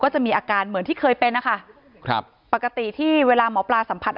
จะมีอาการเหมือนที่เคยเป็นนะคะครับปกติที่เวลาหมอปลาสัมผัส